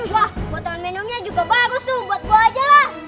wah buatan minumnya juga bagus tuh buat gue aja lah